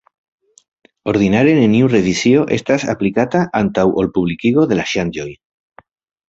Ordinare neniu revizio estas aplikata antaŭ ol publikigo de la ŝanĝoj.